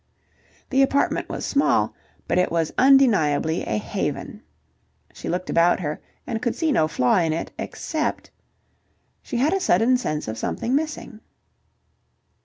The apartment was small, but it was undeniably a haven. She looked about her and could see no flaw in it... except... She had a sudden sense of something missing.